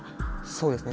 そうですね